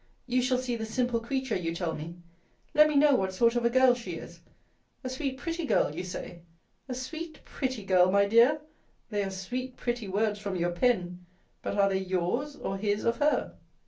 You shall see the simple creature, you tell me. Let me know what sort of a girl she is. A sweet pretty girl! you say. A sweet pretty girl, my dear! They are sweet pretty words from your pen. But are they yours or his of her?